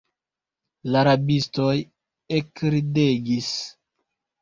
La rabistoj ekridegis.